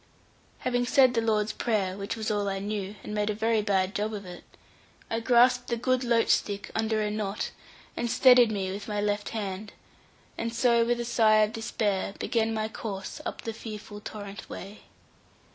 Having said the Lord's Prayer (which was all I knew), and made a very bad job of it, I grasped the good loach stick under a knot, and steadied me with my left hand, and so with a sigh of despair began my course up the fearful torrent way.